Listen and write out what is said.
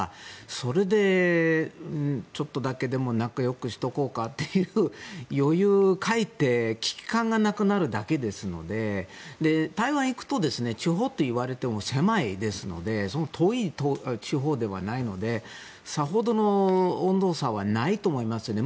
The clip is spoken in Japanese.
それで、ちょっとだけでも仲良くしておこうかっていう余裕を、かえって危機感がなくなるだけですので台湾に行くと地方っていわれても狭いですので遠い地方ではないのでさほどの温度差はないと思いますよね。